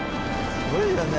すごいわね。